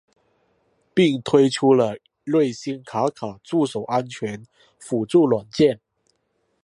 并推出了瑞星卡卡助手安全辅助软件。